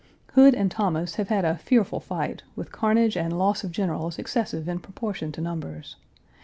Hood and Thomas have had a fearful fight, with carnage and loss of generals excessive in proportion to numbers.